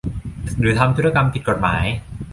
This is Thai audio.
หรือทำธุรกรรมผิดกฎหมาย